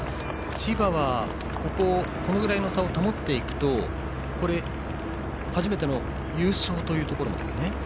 千葉はこのくらいの差を保っていくと初めての優勝というところもですね。